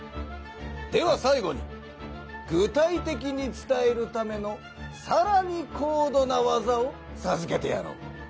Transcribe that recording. ではさい後に具体的に伝えるためのさらに高度な技をさずけてやろう。